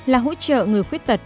là hỗ trợ người khuyết tật